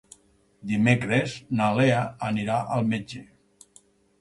Dimecres na Lea anirà al metge.